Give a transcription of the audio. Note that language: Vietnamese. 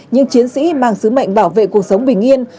những chiến sĩ mang sứ mệnh bảo vệ cuộc sống bình yên